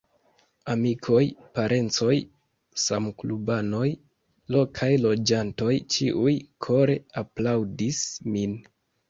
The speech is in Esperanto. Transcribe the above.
Amikoj, parencoj, samklubanoj, lokaj loĝantoj, ĉiuj kore aplaŭdis min.